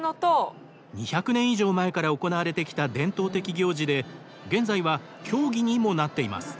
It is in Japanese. ２００年以上前から行われてきた伝統的行事で現在は競技にもなっています。